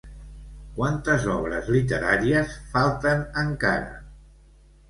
Quantes obres literàries falten encara?